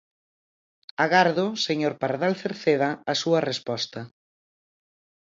Agardo, señor Pardal Cerceda, a súa resposta.